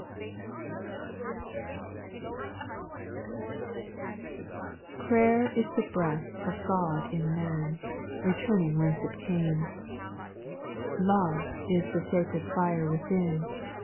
T)RAYER is the breath of God in man, X Returning whence it came ; Love is the sacred fire within.